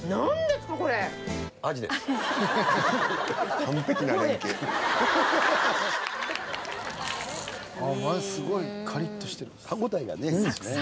「すごいカリッとしてる」「歯応えがねいいですね」